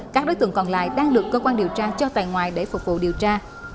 các đối tượng còn lại đang được cơ quan điều tra cho tại ngoại để phục vụ điều tra